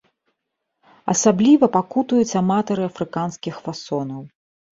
Асабліва пакутуюць аматары афрыканскіх фасонаў.